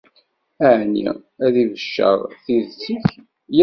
Ɛni ad ibecceṛ tidet-ik?